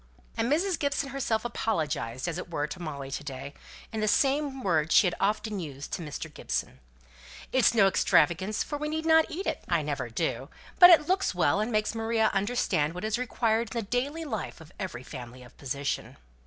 And Mrs. Gibson herself apologized, as it were, to Molly to day, in the same words she had often used to Mr. Gibson, "It's no extravagance, for we need not eat it I never do. But it looks well, and makes Maria understand what is required in the daily life of every family of position."